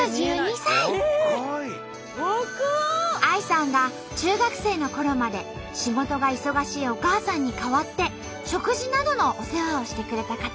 ＡＩさんが中学生のころまで仕事が忙しいお母さんに代わって食事などのお世話をしてくれた方。